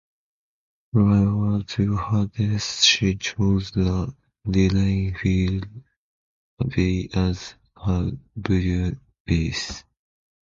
Prior to her death, she chose the Lilienfeld Abbey as her burial place.